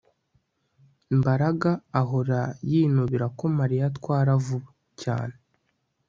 Mbaraga ahora yinubira ko Mariya atwara vuba cyane